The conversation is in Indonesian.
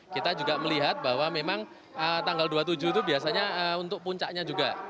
kita juga melihat bahwa memang tanggal dua puluh tujuh itu biasanya untuk puncaknya juga